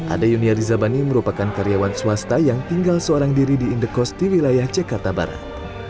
ade yunia rizabani merupakan karyawan swasta yang tinggal seorang diri di indekos di wilayah jakarta barat